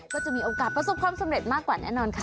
ก็จะมีโอกาสประสบความสำเร็จมากกว่าแน่นอนค่ะ